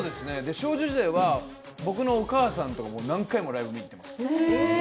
少女時代は僕のお母さんと何回もライブに行ってます。